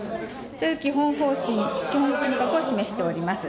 という基本方針、を示しております。